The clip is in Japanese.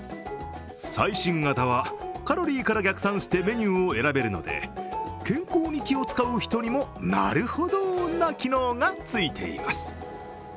最新型は、カロリーから逆算してメニューを選べるので健康に気を使う人にも、なるほどな機能がついています。